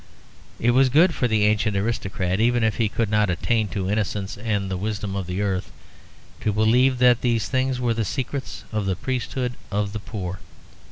It was good for the ancient aristocrat, even if he could not attain to innocence and the wisdom of the earth, to believe that these things were the secrets of the priesthood of the poor.